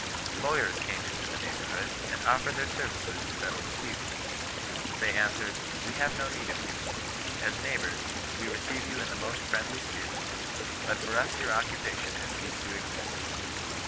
Lawyers came into the neighbourhood, and offered their services to settle disputes. They answered, * We have no need of you. As neighbours, w© receive you in the most 156 GHBIBTIAN IfOIT BBglBTAllOX. friendly spirit ; but for us your oconpation has ceased to exist.'